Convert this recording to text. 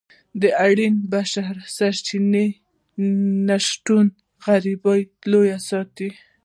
د اړینو بشري سرچینو نشتون غربت لوړ ساتلی.